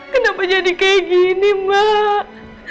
kenapa jadi kayak gini mbak